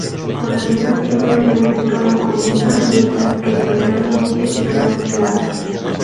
Por arriba tiene un leve tono oliva, mientras que ventralmente es más claro.